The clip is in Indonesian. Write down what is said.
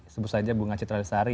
sebut saja bunga citralisari